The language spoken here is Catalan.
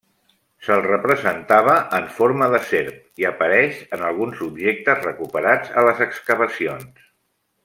Se'l representava en forma de serp, i apareix en alguns objectes recuperats a les excavacions.